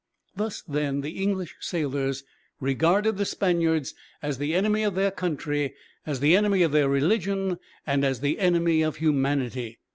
Thus, then, the English sailors regarded the Spaniards as the enemy of their country, as the enemy of their religion, and as the enemy of humanity.